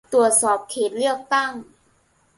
ตรวจสอบเขตเลือกตั้ง